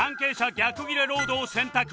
逆ギレロードを選択